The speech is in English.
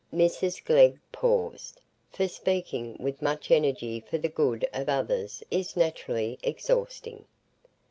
Mrs Glegg paused, for speaking with much energy for the good of others is naturally exhausting.